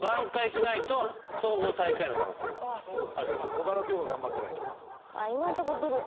他の教科頑張ってないと。